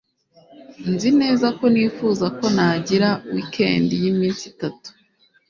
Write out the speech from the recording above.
Nzi neza ko nifuza ko nagira weekend y'iminsi itatu.